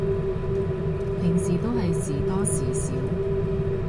平時都係時多時少